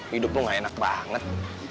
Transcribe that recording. hidup lo gak enak banget